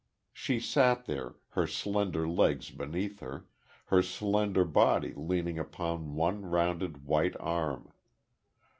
She sat there, her slender legs beneath her, her slender body leaning upon one rounded, white arm.